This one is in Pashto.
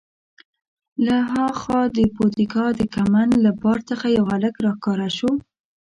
له ها خوا د پودګا د کمند له بار څخه یو هلک راښکاره شو.